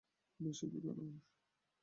বেশি দূরে নয়।